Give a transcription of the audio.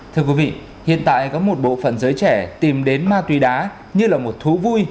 thưa quý vị hiện tại có một bộ phận giới trẻ tìm đến ma túy đá như là một thú vui